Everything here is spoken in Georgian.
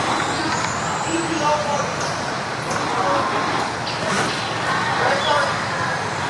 ხროვებად ცხოვრობენ ხეებზე.